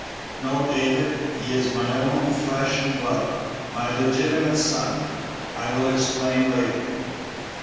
"No, David; he is my own flesh and blood my legitimate son; I will explain later."